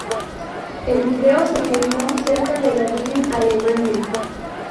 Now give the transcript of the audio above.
El video se filmó cerca de Berlín, Alemania.